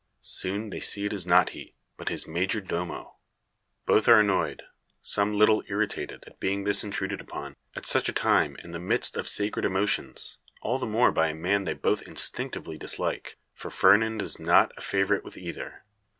Soon they see it is not he, but his major domo. Both are annoyed, some little irritated, at being thus intruded upon. At such a time, in the midst of sacred emotions, all the more by a man they both instinctively dislike. For Fernand is not a favourite with either.